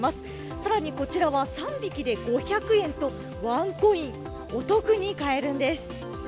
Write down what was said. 更にこちらは３匹で５００円とワンコイン、お得に買えるんです。